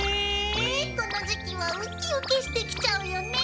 この時期はウキウキしてきちゃうよね。